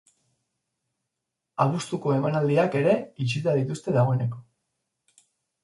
Abuztuko emanaldiak ere itxita dituzte dagoeneko.